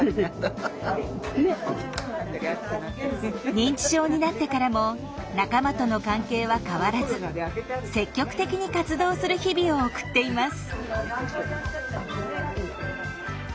認知症になってからも仲間との関係は変わらず積極的に活動する日々を送っています。